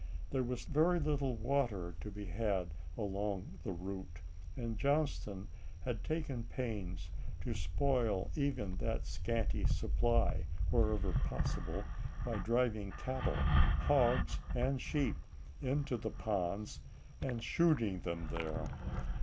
There was very little water to be had along the route, and Johnston had taken pains to spoil even that scanty supply, wherever possible, by driving cattle, hogs, and sheep into the ponds, and shooting them there.